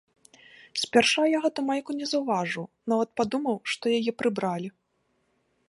Спярша я гэтую майку не заўважыў, нават падумаў, што яе прыбралі.